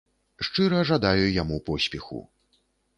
Шчыра жадаю яму поспеху.